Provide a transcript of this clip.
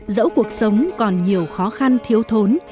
dẫu cuộc sống còn nhiều khó khăn thiếu thốn